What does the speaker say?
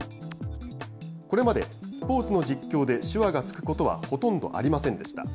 これまで、スポーツの実況で手話がつくことはほとんどありませんでした。